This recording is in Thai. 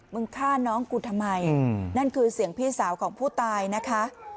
ฆ่าน้องกูทำไมนั่นคือเสียงพี่สาวของผู้ตายนะคะ